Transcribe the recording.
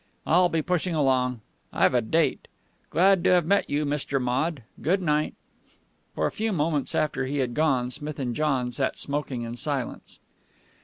I'll be pushing along. I've a date. Glad to have met you, Mr. Maude. Good night." For a few moments after he had gone, Smith and John sat smoking in silence.